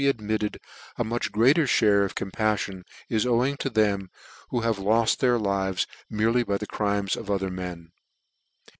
admitted a much greater mare of companion is owing to them who ' have loft their lives merely by the crimes of other men.